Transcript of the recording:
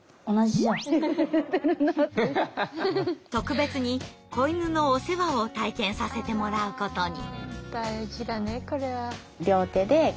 特別に子犬のお世話を体験させてもらうことに。